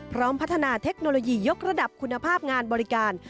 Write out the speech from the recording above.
พร้อมพัฒนาเทคโนโลยียกระดับคุณภาพงานบริการ